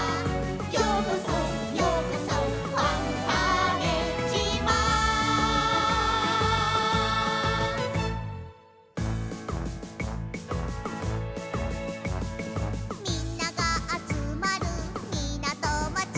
「ようこそようこそファンターネ島」「みんながあつまるみなとまち」